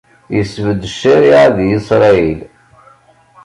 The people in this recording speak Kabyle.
Isbedd ccariɛa di Isṛayil.